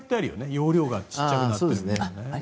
容量が小さくなってね。